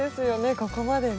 ここまでね。